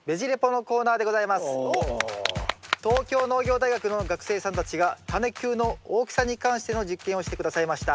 東京農業大学の学生さんたちがタネ球の大きさに関しての実験をして下さいました。